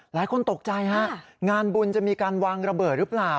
หลายคนตกใจฮะงานบุญจะมีการวางระเบิดหรือเปล่า